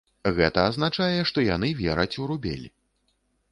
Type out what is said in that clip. Гэта азначае, што яны вераць у рубель.